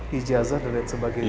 hijazah dan lain sebagainya